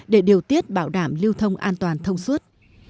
để điều tiết bảo đảm lưu thông an toàn thông suốt